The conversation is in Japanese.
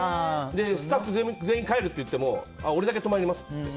スタッフ全員帰るっていっても俺だけ泊まりますって。